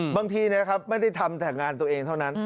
บางทีนะครับไม่ได้ทำแต่งานตัวเองเท่านั้น